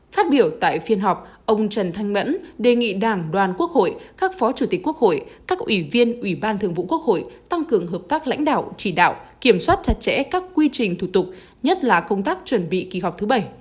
phát biểu tại phiên họp ông trần thanh mẫn đề nghị đảng đoàn quốc hội các phó chủ tịch quốc hội các ủy viên ủy ban thường vụ quốc hội tăng cường hợp tác lãnh đạo chỉ đạo kiểm soát chặt chẽ các quy trình thủ tục nhất là công tác chuẩn bị kỳ họp thứ bảy